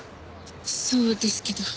そうですけど。